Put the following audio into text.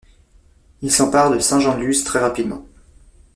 Il s'empare de Saint-Jean-de-Luz très rapidement.